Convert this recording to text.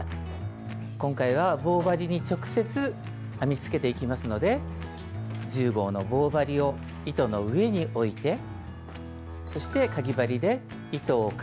今回は棒針に直接編みつけていきますので１０号の棒針を糸の上に置いてそしてかぎ針で糸をかけて引き抜きます。